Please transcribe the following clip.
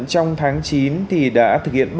trong tháng chín thì đã thực hiện